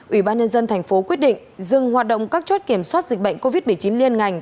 ủy ban nhân dân thành phố quyết định dừng hoạt động các chốt kiểm soát dịch bệnh covid một mươi chín liên ngành